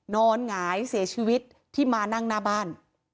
หงายเสียชีวิตที่มานั่งหน้าบ้าน